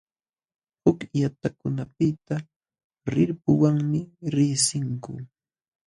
Huk llaqtakunapiqa rirpuwanmi riqsinku.